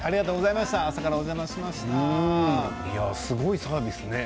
すごいサービスね。